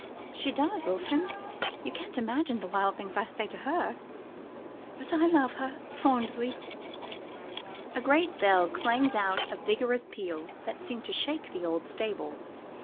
"She does, often. You can't imagine the wild things I say to her. But I love her fondly." A great bell clanged out with a vigorous peal, that seemed to shake the old stable.